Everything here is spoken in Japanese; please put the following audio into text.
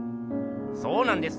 そうなんです。